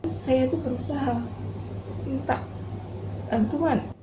saya itu berusaha minta bantuan